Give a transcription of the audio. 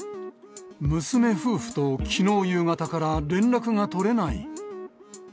娘夫婦と、きのう夕方から連絡が取れない。